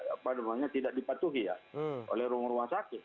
apa namanya tidak dipatuhi ya oleh rumah rumah sakit